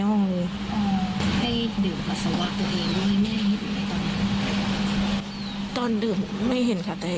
น้องไม่อ่านซื้อหรือน้องอ่านอะไร